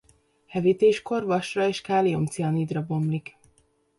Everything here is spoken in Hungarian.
Hevítéskor vasra és kálium-cianidra bomlik.